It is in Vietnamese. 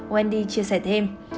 wendy chia sẻ thêm